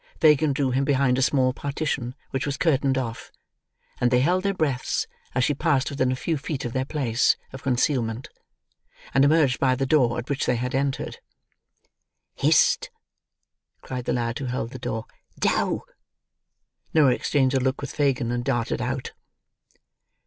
Fagin drew him behind a small partition which was curtained off, and they held their breaths as she passed within a few feet of their place of concealment, and emerged by the door at which they had entered. "Hist!" cried the lad who held the door. "Dow." Noah exchanged a look with Fagin, and darted out.